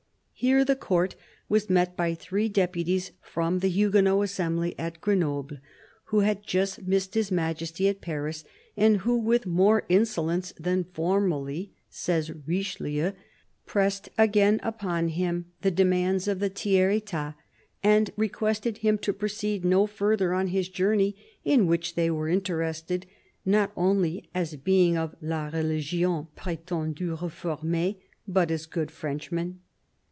Here the Court was met by three deputies from the Huguenot assembly at Grenoble, who had just missed His Majesty at Paris, and who, " with more insolence than formerly," says Richelieu, pressed again upon him the demands of the Tiers l^tat and requested him to proceed no further on his journey, " in which they were interested, not only as being of la Religion pretendue reformee, but as good Frenchmen."